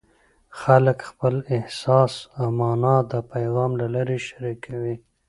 خلک خپل احساس او مانا د پیغام له لارې شریکوي.